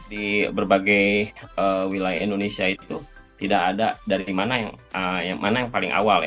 di berbagai wilayah indonesia itu tidak ada dari mana yang paling awal ya